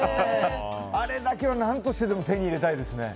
あれだけは何としても手に入れたいですね。